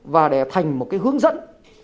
và để thành một cái hướng dẫn